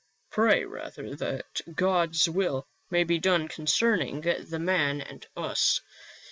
" Pray, rather, that God's will may be done concern ing the man and us.